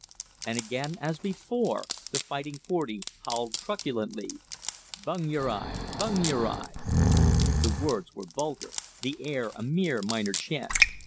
And again as before the Fighting Forty howled truculently: "Bung yer eye! bung yer eye!" The words were vulgar, the air a mere minor chant.